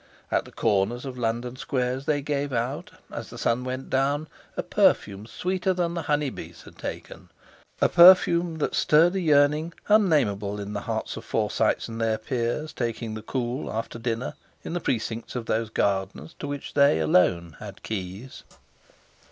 At the corners of London squares they gave out, as the sun went down, a perfume sweeter than the honey bees had taken—a perfume that stirred a yearning unnamable in the hearts of Forsytes and their peers, taking the cool after dinner in the precincts of those gardens to which they alone had keys.